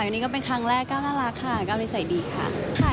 วันนี้ก็เป็นครั้งแรกก้าวน่ารักค่ะก้าวนิสัยดีค่ะ